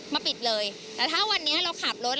มาปิดเลยแต่ถ้าวันนี้เราขับรถ